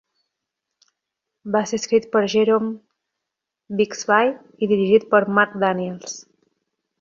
Va ser escrit per Jerome Bixby i dirigit per Marc Daniels.